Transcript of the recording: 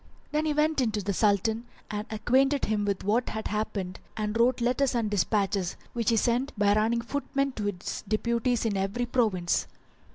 Then he went in to the Sultan and acquainted him with what had happened and wrote letters and dispatches, which he sent by running footmen to his deputies in every province.